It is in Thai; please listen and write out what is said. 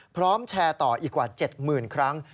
พร้อมแชร์ต่ออีกกว่า๗๐๐ครั้ง